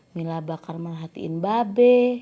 mila bakal melahatiin babe